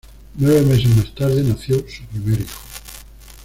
Nueve meses más tarde, nació su primer hijo.